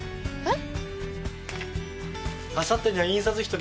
えっ？